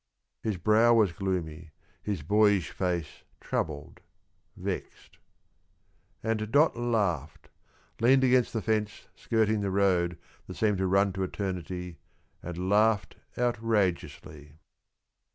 His brow was gloomy, his boyish face troubled, vexed. And Dot laughed. Leaned against the fence skirting the road that seemed to run to eternity, and laughed outrageously.